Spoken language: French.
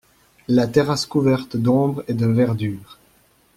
La terrasse couverte d’ombre et de verdure.